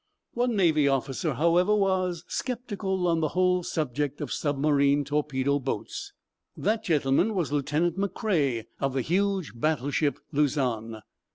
One naval officer, however, was sceptical on the whole subject of submarine torpedo boats. That gentleman was Lieutenant McCrea, of the huge battleship "Luzon."